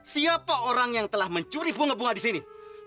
siapa orang yang telah mencuri bunga bunga di sini